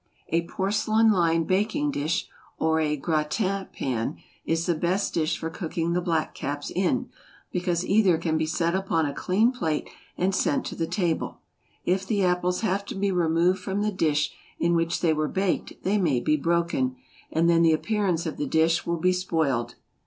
A porcelain lined baking dish, or a gratin pan, is the best dish for cooking the black caps in, because either can be set upon a clean plate and sent to the table; if the apples have to be removed from the dish in which they were baked they may be broken, and then the appearance of the dish will be spoiled.